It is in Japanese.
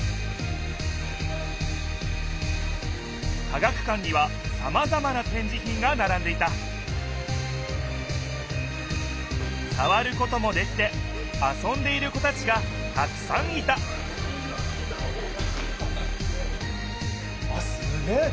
科学館にはさまざまなてんじひんがならんでいたさわることもできてあそんでいる子たちがたくさんいたあっすげえ！